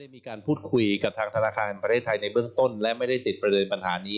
มีการพูดคุยกับทางธนาคารประเทศไทยในเบื้องต้นและไม่ได้ติดประเด็นปัญหานี้